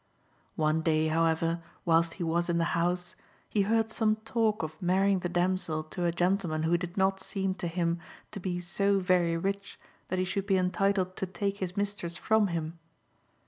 One day, however, whilst he was in the house, he heard some talk of marrying the damsel to a gentleman who did not seem to him to be so very rich that he should be entitled to take his mistress from him.